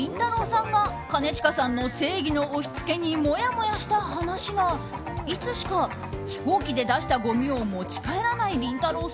さんが兼近さんの正義の押し付けにもやもやした話がいつしか、飛行機で出したごみを持ち帰らないりんたろー。